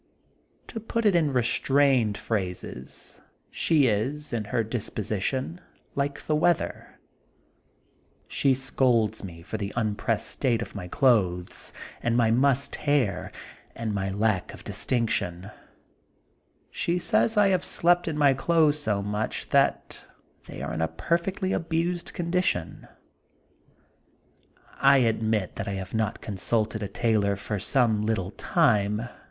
To ^ut it in restrained phrases she is, in her disposition, like the weather. She scolds me 68 THE GOLDEN BOOK OF SPRINGFIELD for the unpressed state of my clothes^ and my mussed hair, and my lack of air of distinction. She says I have slept in my clothes sh much that they are in a perfectly abused condition. I admit that I have not consulted a tailor for some little time.